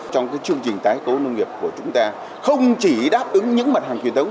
trong chương trình tái cấu nông nghiệp của chúng ta không chỉ đáp ứng những mặt hàng chuyển tống